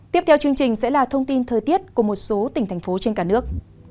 tiếp theo chương trình sẽ là thông tin thời tiết của một số tỉnh thành phố trên cả nước